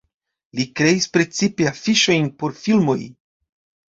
Li kreis precipe afiŝojn por filmoj.